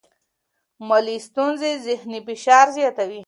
مالي ستونزې ذهنی فشار زیاتوي.